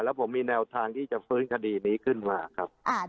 แล้วผมมีแนวทางที่จะฟื้นคดีนี้ขึ้นมาครับ